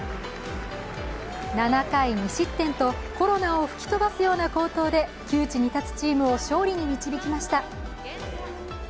７回２失点と、コロナを吹き飛ばすような好投で窮地に立つチームを勝利に導きました。